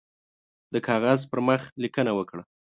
د کاغذ پر مخ لیکنه وکړه.